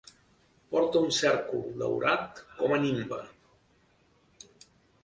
Porta un cèrcol daurat com a nimbe.